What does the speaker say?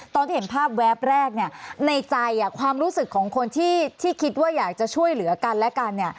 ตอนที่เห็นภาพแวบแรกเนี่ยในใจความรู้สึกของคนที่คิดว่าอยากจะช่วยเหลือกันและกันเนี่ย